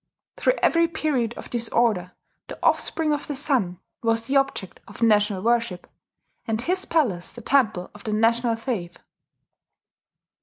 Through every period of disorder the Offspring of the Sun was the object of national worship, and his palace the temple of the national faith.